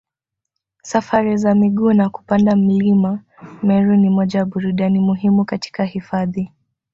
Safari za miguu na kupanda mlima Meru ni moja ya burudani muhimu katika hifadhi